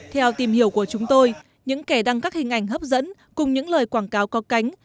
theo tìm hiểu của chúng tôi những kẻ đăng các hình ảnh hấp dẫn cùng những lời quảng cáo có cánh